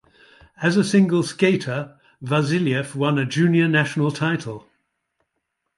As a single skater, Vasiliev won a Junior national title.